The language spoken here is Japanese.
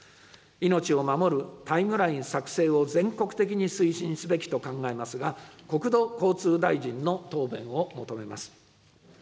命を守るタイムライン作成を全国的に推進すべきと考えますが、国土交通大臣の答弁を求めます。